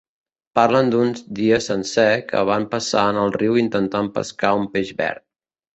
Parlen d'un dia sencer que van passar en el riu intentant pescar un peix verd.